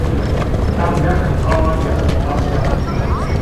Там бяха два лагера, два свята.